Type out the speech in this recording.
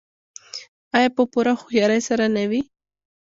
آیا په پوره هوښیارۍ سره نه وي؟